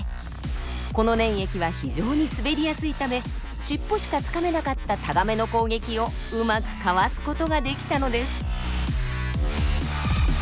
この粘液は非常に滑りやすいため尻尾しかつかめなかったタガメの攻撃をうまくかわす事ができたのです。